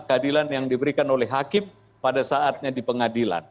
keadilan yang diberikan oleh hakim pada saatnya di pengadilan